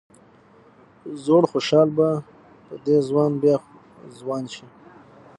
زوړ خوشال به په دې ځوان بیا ځوان شي.